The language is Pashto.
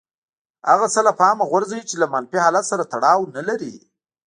هغه څه له پامه غورځوي چې له منفي حالت سره تړاو نه لري.